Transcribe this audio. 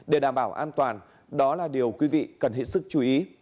để đảm bảo an toàn đó là điều quý vị cần hết sức chú ý